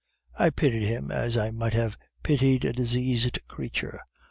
I pitied him as I might have pitied a diseased creature.